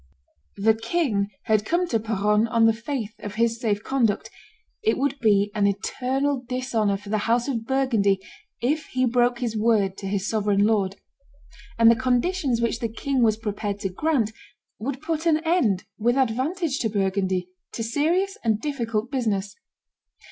The king had come to Peronne on the faith of his safe conduct; it would be an eternal dishonor for the house of Burgundy if he broke his word to his sovereign lord; and the conditions which the king was prepared to grant would put an end, with advantage to Burgundy, to serious and difficult business.